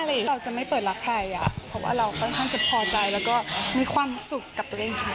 เราจะไม่เปิดรักใครอ่ะเพราะว่าเราค่อนข้างจะพอใจแล้วก็มีความสุขกับตัวเองจริง